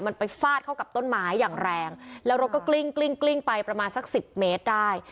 มันไปฟาดเข้ากับต้นไม้อย่างแรงแล้วรถก็กลิ้งกลิ้งกลิ้งไปประมาณสักสิบเมตรได้